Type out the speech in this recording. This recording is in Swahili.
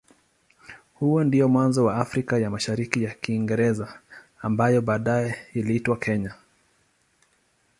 Huo ndio mwanzo wa Afrika ya Mashariki ya Kiingereza ambaye baadaye iliitwa Kenya.